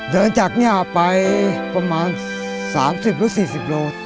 เดินจากเงียบไปประมาณ๓๐หรือ๔๐กิโลกรัม